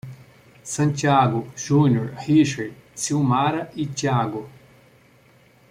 Santiago, Júnior, Richard, Silmara e Thiago